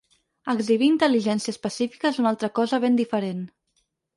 Exhibir intel·ligència específica és una altra cosa ben diferent.